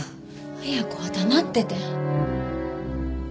恵子は黙ってて。